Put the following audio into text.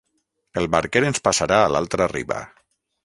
El barquer ens passarà a l'altra riba.